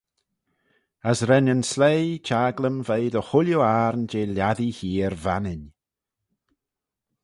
As ren yn sleih çhaglym veih dy chooilley ayrn jeh lhiattee heear Vannin.